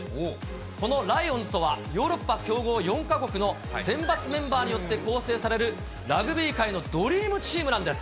このライオンズとは、ヨーロッパ強豪４か国の選抜メンバーによって構成されるラグビー界のドリームチームなんです。